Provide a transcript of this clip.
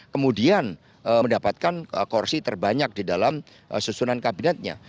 kemudian mendapatkan kursi terbanyak di dalam susunan kabinetnya